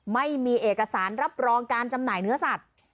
ไม่มีเอกสารรับรองการจำหน่ายเนื้อสัตว์